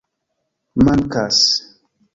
Mankas.